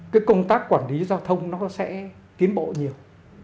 cái công tác quản lý giao thông nó sẽ tiến bộ nhiều